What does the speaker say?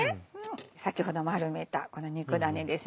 先ほど丸めたこの肉だねです。